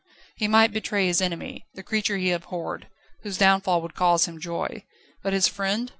He might betray his enemy, the creature he abhorred, whose downfall would cause him joy. But his friend?